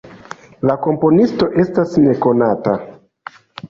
La komponisto estas nekonata.